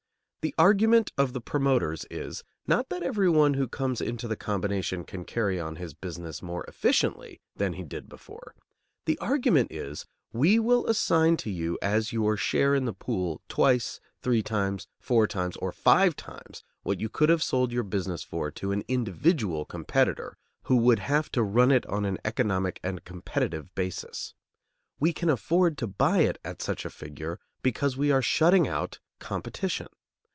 The argument of the promoters is, not that every one who comes into the combination can carry on his business more efficiently than he did before; the argument is: we will assign to you as your share in the pool twice, three times, four times, or five times what you could have sold your business for to an individual competitor who would have to run it on an economic and competitive basis. We can afford to buy it at such a figure because we are shutting out competition.